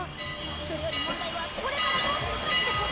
それより問題はこれからどうするかってことだ。